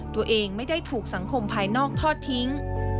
ตัวเองไม่ได้ถูกสังคมภายนอกทอดทิ้ง